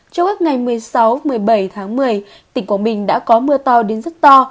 trong các ngày một mươi sáu một mươi bảy tháng một mươi tỉnh quảng bình đã có mưa to đến rất to